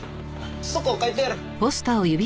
そこ書いてある。